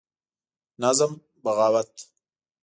نظم: بغاوت